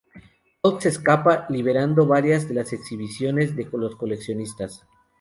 Hulk se escapa liberando varias de las exhibiciones de los coleccionistas.